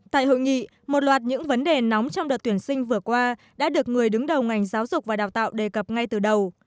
tại hội nghị một loạt những vấn đề nóng trong đợt tuyển sinh vừa qua đã được người đứng đầu ngành giáo dục và đào tạo đề cập ngay từ đầu